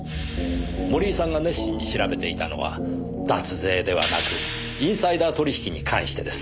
森井さんが熱心に調べていたのは脱税ではなくインサイダー取引に関してです。